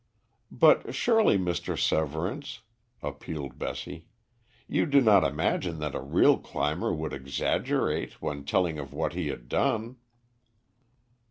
"But surely, Mr. Severance," appealed Bessie, "you do not imagine that a real climber would exaggerate when telling of what he had done."